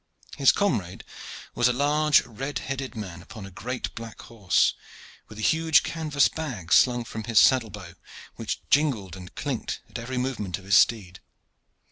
His comrade was a large, red headed man upon a great black horse, with a huge canvas bag slung from his saddle bow, which jingled and clinked with every movement of his steed.